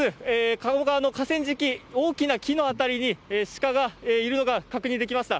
鴨川の河川敷、大きな木の辺りに鹿がいるのが確認できました。